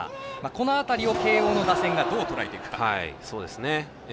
この辺りを慶応の打線がどうとらえていくか。